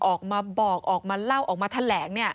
ออกมาบอกออกมาเล่าออกมาแถลง